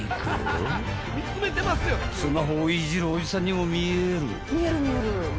［スマホをいじるおじさんにも見える］